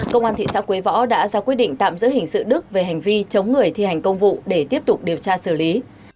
công an thị xã quế võ đã ra quyết định tạm giữ hình sự đức về hành vi chống người thi hành công vụ để tiếp tục điều tra xử lý